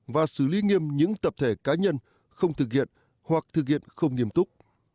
kinh nghiệm những tập thể cá nhân không thực hiện hoặc thực hiện không nghiêm túc